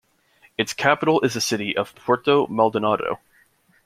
Its capital is the city of Puerto Maldonado.